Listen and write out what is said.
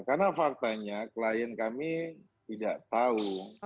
karena faktanya klien kami tidak tahu